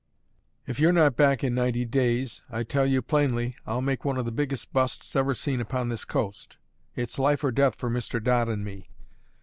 If you're not back in ninety days, I tell you plainly, I'll make one of the biggest busts ever seen upon this coast; it's life or death for Mr. Dodd and me.